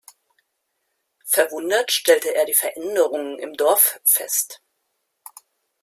Verwundert stellt er die Veränderungen im Dorf fest.